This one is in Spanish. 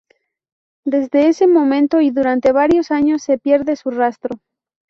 Desde ese momento, y durante varios años, se pierde su rastro.